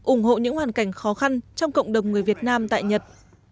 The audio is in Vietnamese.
ủng hộ những hoàn cảnh khó khăn trong cộng đồng người việt nam tại nhật